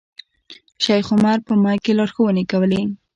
شیخ عمر په مایک کې لارښوونې کولې.